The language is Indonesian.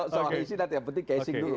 soal isi dan yang penting casing dulu